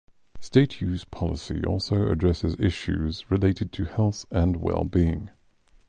State youth policy also addresses issues related to health and well-being.